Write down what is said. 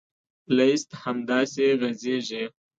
لیست همداسې غځېږي.